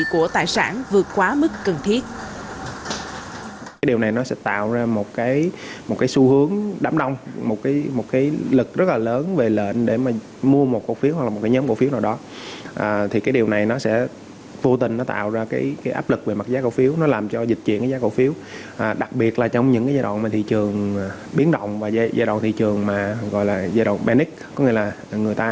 của tài sản vượt quá mức cần thiết